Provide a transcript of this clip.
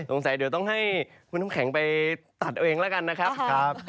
สงสัยเดี๋ยวต้องให้คุณน้ำแข็งไปตัดเอาเองแล้วกันนะครับ